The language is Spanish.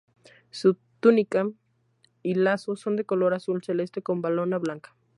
Su túnica y lazo son de color azul celeste con valona blanca.